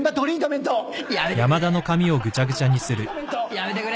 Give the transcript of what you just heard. やめてくれ。